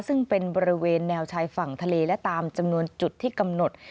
ซึ่งเป็นบริเวณแนวชายฝั่งทะเลและตามจำนวนจุดที่กำหนด